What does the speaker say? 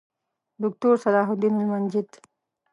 دوکتورصلاح الدین المنجد